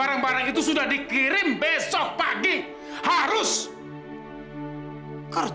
anda pasti ratu kan